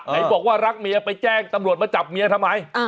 ไหนบอกว่ารักเมียไปแจ้งตำรวจมาจับเมียทำไม